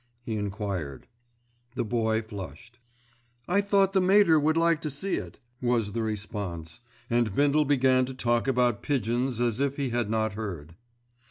he enquired. The Boy flushed. "I thought the Mater would like to see it," was the response, and Bindle began to talk about pigeons as if he had not heard.